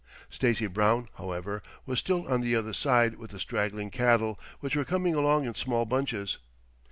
Stacy Brown, however, was still on the other side with the straggling cattle which were coming along in small bunches.